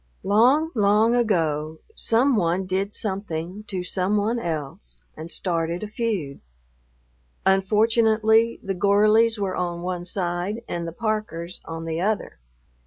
Long, long ago some one did something to some one else and started a feud. Unfortunately the Gorleys were on one side and the Parkers on the other.